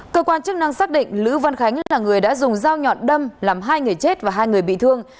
cơ quan chức năng xác định lữ văn khánh là người đã dùng dao nhọn đâm làm hai người chết và hai người bị thương